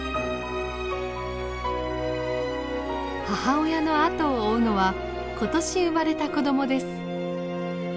母親の後を追うのは今年生まれた子どもです。